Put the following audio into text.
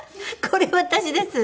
これ私です。